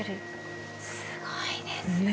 すごいですね。